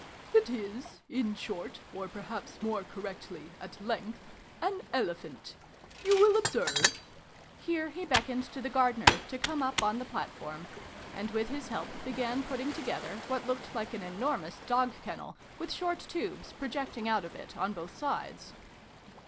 It is in short, or perhaps, more correctly, at length an Elephant. You will observe ." Here he beckoned to the Gardener to come up on the platform, and with his help began putting together what looked like an enormous dog kennel, with short tubes projecting out of it on both sides.